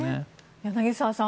柳澤さん